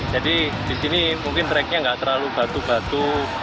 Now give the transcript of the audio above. jadi di sini mungkin track nya tidak terlalu batu batu